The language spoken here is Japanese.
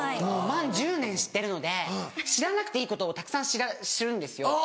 もう満１０年知ってるので知らなくていいことをたくさん知るんですよ。